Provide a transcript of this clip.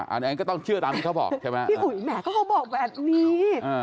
อันนั้นก็ต้องเชื่อตามที่เขาบอกใช่ไหมพี่อุ๋ยแหมก็เขาบอกแบบนี้